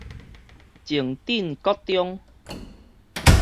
前鎮國中